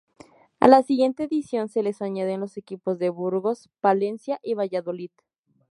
A la siguiente edición, se les añaden los equipos de Burgos, Palencia, y Valladolid.